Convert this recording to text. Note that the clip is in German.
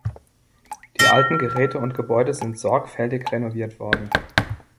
Die alten Geräte und Gebäude sind sorgfältig renoviert worden.